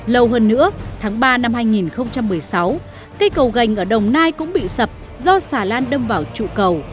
lâu hơn nữa tháng ba năm hai nghìn một mươi sáu cây cầu gành ở đồng nai cũng bị sập do xà lan đâm vào trụ cầu